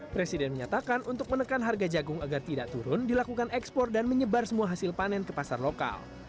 presiden menyatakan untuk menekan harga jagung agar tidak turun dilakukan ekspor dan menyebar semua hasil panen ke pasar lokal